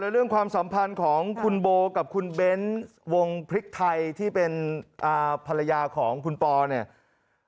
เรื่องความสัมพันธ์ของคุณโบกับคุณเบ้นวงพริกไทยที่เป็นภรรยาของคุณปอเนี่ย